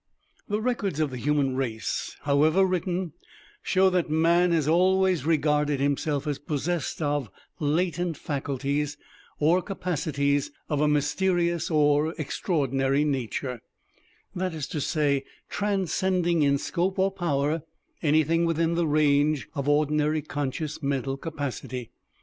The records of the human race, however written, show that Man has always regarded himself as possessed of latent faculties, or capacities of a mysterious or extraordinary nature: that is to say, transcending in scope or power anything within the range of ordinary conscious mental capacity.